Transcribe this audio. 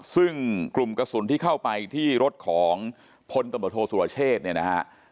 ซึ่งกลุ่มกระสุนที่เข้าไปที่รถของพลตำรวจโทษสุรเชษเนี่ยนะฮะ